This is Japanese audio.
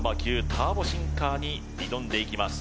ターボシンカ−に挑んでいきます